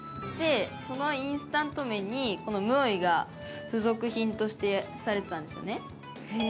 そのインスタント麺にこのムオイが付属品としてされてたんですね。